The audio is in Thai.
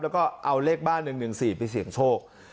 แล้วก็เอาเลขบ้าน๑๑๔ไปเสี่ยงโชค